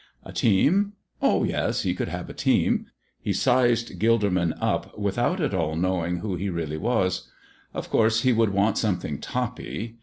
A team? Oh yes, he could have a team. He sized Gilderman up without at all knowing who he really was. Of course he would want something toppy.